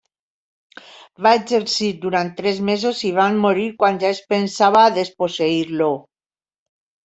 Va exercir durant tres mesos i van morir quan ja es pensava a desposseir-lo.